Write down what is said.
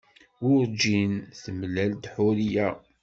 Werjin temlal-d Ḥuriya.